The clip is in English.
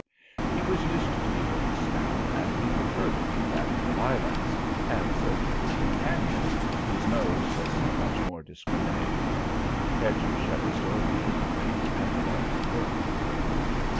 He was used to the old smell, and he preferred it to that of the lilacs, and so did his companion, whose nose was so much more discriminating. Hedger shut his door vehemently, and fell to work.